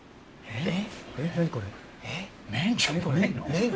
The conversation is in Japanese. えっ？